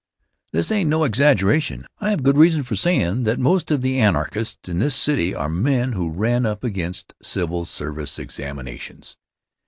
This ain't no exaggeration. I have good reason for sayin' that most of the Anarchists in this city today are men who ran up against civil service examinations.